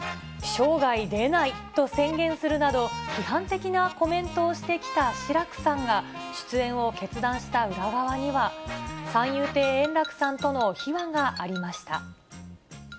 生涯出ないと宣言するなど、批判的なコメントをしてきた志らくさんが出演を決断した裏側には、三遊亭円楽さんとの秘話がありました。